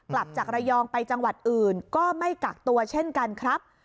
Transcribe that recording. กลับจากระยองไปจังหวัดอื่นก็ไม่กักตัวเช่นกันครับ